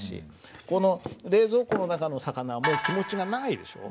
この「冷蔵庫の中の魚」もう気持ちがないでしょ。